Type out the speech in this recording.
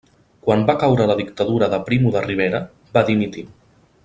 Quan va caure la dictadura de Primo de Rivera va dimitir.